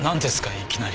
いきなり。